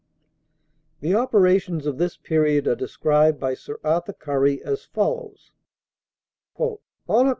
The operations of this period are described by Sir Arthur Currie as follows: "On Oct.